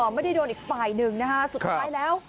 ไม่ได้โดนอีกฝ่ายหนึ่งนะคะสุดท้ายแล้ว